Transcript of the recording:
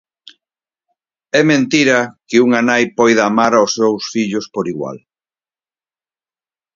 É mentira que unha nai poida amar os dous fillos por igual.